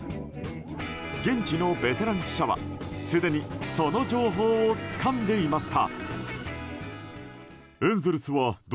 現地のベテラン記者は、すでにその情報をつかんでいました。